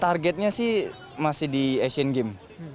targetnya sih masih di asian games